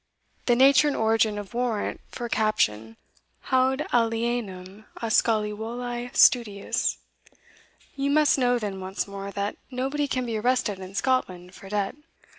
The nature and origin of warrant for caption is a thing haud alienum a Scaevolae studiis. You must know then, once more, that nobody can be arrested in Scotland for debt."